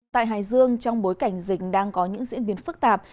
tại hải dương trong bối cảnh dịch đang có những diễn biến phức tạp